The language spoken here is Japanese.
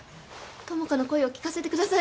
友果の声を聞かせてください